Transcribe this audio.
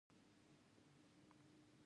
د زعفرانو ګل پاڼې څه وکړم؟